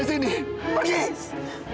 kamu seperti rupi ini